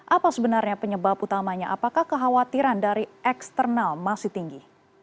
apa sebenarnya penyebab utamanya apakah kekhawatiran dari eksternal masih tinggi